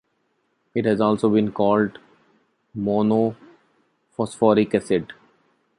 It has also been called monophosphoric acid.